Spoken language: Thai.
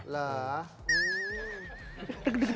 เหรอ